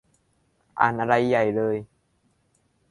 อ่านอะไรใหญ่เลย